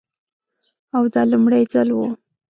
او دا لومړی ځل و.